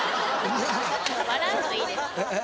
笑うのいいです。